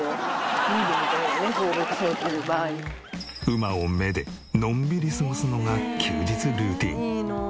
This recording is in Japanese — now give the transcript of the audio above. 馬をめでのんびり過ごすのが休日ルーティン。